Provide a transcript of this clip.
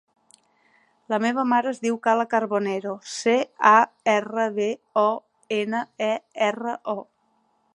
La meva mare es diu Kala Carbonero: ce, a, erra, be, o, ena, e, erra, o.